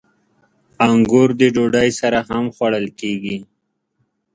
• انګور د ډوډۍ سره هم خوړل کېږي.